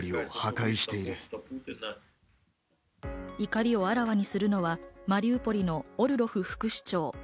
怒りをあらわにするのはマリウポリのオルロフ副市長。